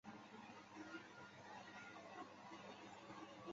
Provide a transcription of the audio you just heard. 有脓皮症并发的情形会使用抗菌药。